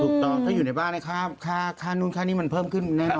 ถูกต้องถ้าอยู่ในบ้านค่านู้นค่านี้มันเพิ่มขึ้นแน่นอน